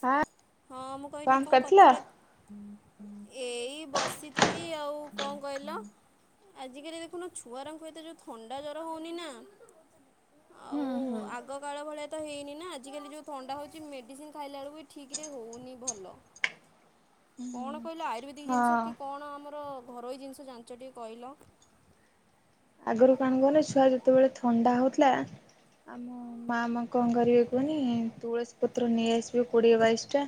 ଆ ହଁ ମୁଁ କହିଲି କଣ କରୁଥିଲ କି? ଏଇ ବସିଥିଲି। ଆଉ କଣ କହିଲ? ଆଜିକାଲି ଦେଖୁନ ଛୁଆରଙ୍କୁ ଏତେ ଯୋରେ ଥଣ୍ଡା ଜ୍ବର ହଉନି ନା। ହୁଁ ଆଉ ହୁଁ ଆଗ କାଳ ଭଳିଆ ତ ହେଇନି ନା ଆଜିକାଲି ଯୋଉ ଥଣ୍ଡା ହଉଛି। ମେଡିସିନ ଖାଇଲା ବେଳକୁ ଠି ଠିକରେ ହେଉନି ଭଲ। ହୁଁ କଣ ହୁଁ। କହିଲ ଆୟୁର୍ବେଦିକ ଜିନିଷ ହଁ କି କଣ ଆମର ଘରୋଇ ଜିନିଷ ଜାଣିଚ ଟିକେ କହିଲ। ଆଗରୁ କଣ କଲେ ଛୁଆ ଯେତେବେଳେ ଥଣ୍ଡା ହଉଥିଲା। ଆମ ମାମା କଣ କରିବେ କୁହନି। ତୁଳସୀ ପତ୍ର ନେଇ ଆସିବେ କୋଡ଼ିଏ ବାଇଶଟା।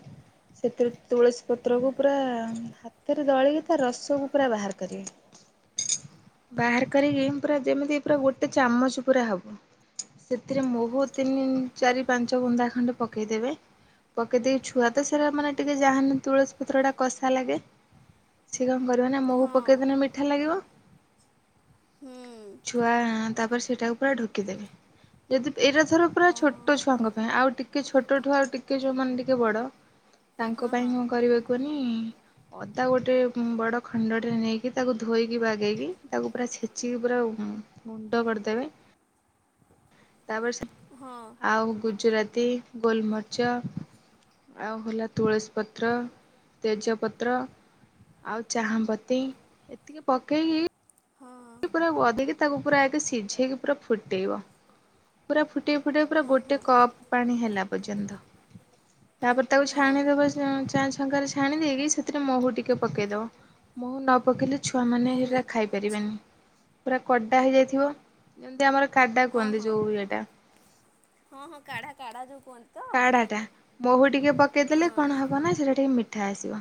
ସେଥିରେ ତୁଳସୀ ପତ୍ରକୁ ପୁରା ହା ହାତରେ ଦଳିକି ତା ରସକୁ ପୁରା ବାହାର କରିବେ। ବାହାର କରିକି ପୁରା ଯେମିତି ପୁରା ଗୋଟେ ଚାମଚ ପୁରା ହବ। ସେଥିରେ ମହୁ ତିନି ଚାରି ପାଞ୍ଚ ବୃଦା ଖଣ୍ଡେ ପକେଇଦେବେ। ପକେଇ ଦେଇକି ଛୁଆ ତ ସେଟା ମାନେ ଟିକେ ଯା ହେନେ ତୁଳସୀ ପତ୍ର ଟା କଷା ଲାଗେ। ସିଏ କଣ କରିବ ନା ମହୁ ହଁ ପକେଇଦେନେ ମିଠା ଲାଗିବ। ହୁଁ। ଛୁଆ ତାପରେ ସେଇଟାକୁ ପୁରା ଢକିଦେବେ। ଯଦି ଏଇଟା ଧର ପୁରା ଛୋଟ ହଁ ଛୁଆଙ୍କ ପା- ଆଉ ଟିକେ ଛୋଟଠୁ ଆଉ ଟିକେ ଯୋଉମାନେ ଟିକେ ବଡ ତାଙ୍କ ପାଇଁ ହଁ କଣ କରିବା କୁଅନି ଅଦା ଗୋଟେ ଉଁ, ବଡ ଖଣ୍ଡଟେ ନେଇକି ତାକୁ ଧୋଇକି ବାଗେଇକି ତାକୁ ପୁରା ଛେଚିକି ପୁରା ଗୁଣ୍ଡ ଉଁ, କରିଦେବେ। ତାପରେ ସେ ହଁ। ଆଉ ଗୁଜୁରାତି, ଗୋଲମରିଚ। ଆଉ ହେଲା ତୁଳସୀ ପତ୍ର, ତେଜପତ୍ର। ଆଉ ଚାହା ପତି ଏତିକି ପକେଇକି ହଁ ହଁ ସେ ପୁରା ବଧିକି ତାକୁ ପୁରା ଆଗେ ସିଝେଇକି ପୁରା ଫୁଟେଇବ। ପୁରା ଫୁଟେଇ, ଫୁଟେଇ ପୁରା ହଁ ଗୋଟେ ହଁ କପ୍ ପାଣି ହେଲା ପର୍ଯ୍ୟନ୍ତ। ତାପରେ ତାକୁ ହଁ ଛାଣି ଦବା ଚା ଚା ଛଙ୍କାରେ ଛାଣି ଦେଇକି ସେଥିରେ ମହୁ ଟିକେ ପକେଇଦବ। ମହୁ ନ ପକେଇଲେ ଛୁଆମାନେ ମହୁ ଏଇଗୁରା ଆଚ୍ଛା ଖାଇପାରିବେନି। ପୁରା କଡ଼ା ହେଇଯାଇଥିବ ଯେମିତି ଆମର କାଡା଼ ହଁ କୁହନ୍ତି ହଁ ଯୋଉ ଇଏଟା। ହଁ ହଁ କାଢା କାଢା ଯୋଉ କୁହନ୍ତି। ତ? କାଢା ଟା ମହୁ ଟିକେ ହଁ ପକେଇଦେଲେ କଣ ହବ ନା ସେଟା ଟିକେ ମିଠା ଆସିବ।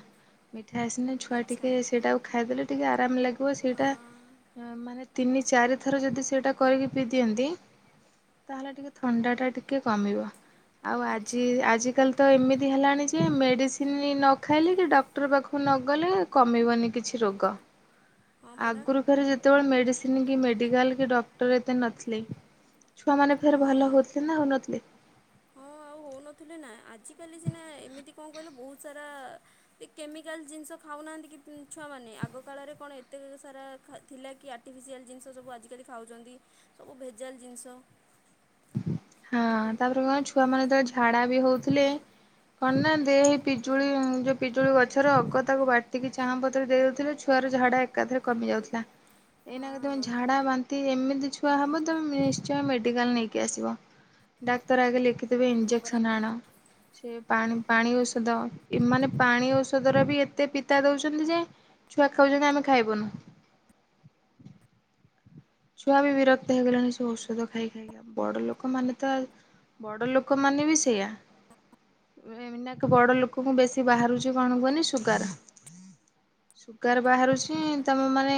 ମିଠା ଆସିନେ ଛୁଆ ଆଚ୍ଛା ଟିକେ ସେଇଟାକୁ ଖାଇଦେଲେ ଟିକେ ଆରାମ ଲାଗିବ ହଁ ସେଇଟା। ଅ, ମାନେ ତିନି ଚାରିଥର ଯଦି ସେଇଟା କରିକି ପିଇ ଦିଅନ୍ତି। ତାହେଲେ ଟିକେ ଥଣ୍ଡାଟା ଟିକେ କମିବ। ଆଉ ଆଚ୍ଛା ଆଜି, ଆଜିକାଲି ତ ଏମିତି ହେଲାଣି ଯେ ମେଡ଼ିସିନ୍ ନ ଖାଇଲେ କି ଡ଼କ୍ଟର୍ ପାଖକୁ ନଗଲେ କମିବନି କିଛି ରୋଗ। [inaudible] ପରା ଆଗରୁ ଫେରେ ଯେତେବେଳେ ମେଡ଼ିସିନ୍ କି ମେଡିକାଲ୍ କି ଡ଼କ୍ଟର୍ ଏତେ ନଥିଲେ। ଛୁଆମାନେ ଫେରେ ହଁ ଭଲ ହଉଥିଲେ ନା ହଉନଥିଲେ। ହଉନଥୁଲେ ନା, ଆଜିକାଲି ସିନା ଏମିତି କଣ କହିଲ ବହୁତ ସାରା ଏ କେମିକାଲ ଜିନିଷ ଖାଉନାହାନ୍ତି କି ଉଁ, ଛୁଆମାନେ। ଆଗ କାଳରେ କଣ ଏତେ ସାରା ଖା ଥିଲା କି ଆର୍ଟିଫିସିଆଲ୍ ଜିନିଷ ସବୁ ଆଜିକାଲି ଖାଉଛନ୍ତି ସବୁ ଭେଜାଲ୍ ଜିନିଷ। ହଁ ତାପରେ କଣ ଛୁଆ ମାନ ଯେତେବେଳେ ଝାଡ଼ା ବି ହଉଥିଲେ। କଣ ନା ଦେ ଏଇ ପିଜୁଳି ଯୋଉ ପିଜୁଳି ଗଛର ଅଗ ତାକୁ ବାଟିକି ଚାଁ ପତରେ ଦେଇଦଉଥିଲେ ଛୁ ଛୁଆର ଝାଡ଼ା ଏକାଥରେ କମି ଯାଉଥିଲା। ଏଇ ହଁ ନାକେ ତୋମେ ଝାଡ଼ା ବାନ୍ତି ଏମିତି ଛୁଆ ହବ ତୋମେ ନିଶ୍ଚୟ ମେଡିକାଲ୍ ନେଇ କି ଆସିବ। ଡ଼ାକ୍ତର ଆଗେ ଲେଖିଦେବେ ହଁ ପରା ଇଞ୍ଜେକ୍ସନ୍ ଆଣ। ସେ ପାଣି ପାଣି ଔଷଧ ଏ ମାନେ ପାଣି ଔଷଧ ରେ ବି ଏତେ ପିତା ଦଉଛନ୍ତି ଯେ ଛୁଆ କଉଚନ୍ତି ଆମେ ଖାଇବୁନୁ। ଛୁଆ ବିରକ୍ତ ହେଇଗଲେଣି ସେ ଔଷଧ ଖାଇ ଖାଇକା। ବଡ଼ ଲୋକମାନେ ତ ଆଉ ବଡ଼ ଲୋକମାନେ ବି ସେଇଆ। ଏଇନାକ୍ ବଡ଼ ଲୋକଙ୍କୁ ବେଶୀ ବାହାରୁଛି କଣ କୁହନି ସୁଗାର। ସୁଗାର ବାହାରୁଛି, ତୋମ ମାନେ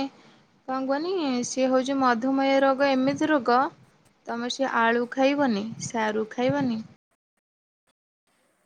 କଣ କୁହନି ସିଏ ହଉ ଯୋଉ ମଧୁମୟ ରୋଗ ଏମିତି ରୋଗ ତୋମେ ସେ ଆଳୁ ଖାଇବନି, ସାରୁ ଖାଇବନି। [inaudible]